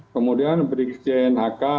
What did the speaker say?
kemudian brigjen hk